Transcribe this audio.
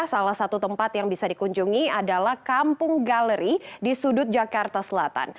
salah satu tempat yang bisa dikunjungi adalah kampung galeri di sudut jakarta selatan